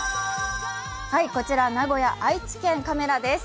こちら名古屋、愛知県カメラです。